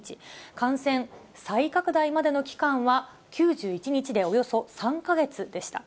感染再拡大までの期間は９１日で、およそ３か月でした。